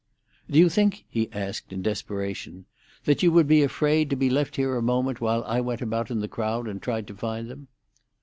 "Do you think," he asked, in desperation, "that you would be afraid to be left here a moment while I went about in the crowd and tried to find them?"